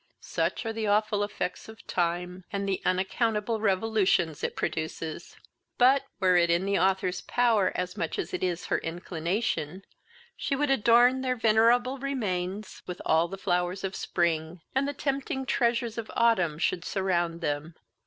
Such are the awful effects of time, and the unaccountable revolutions it produces! But, were it in the Author's power as much as it is her inclination, she would adorn their venerable remains with all the flowers of spring, and the tempting treasures of autumn should surround them.